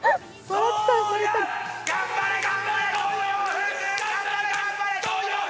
頑張れ頑張れ豊福！